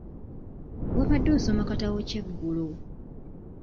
Wabadde osoma katabo ki eggulo?